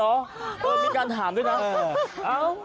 มีการถามด้วยนะ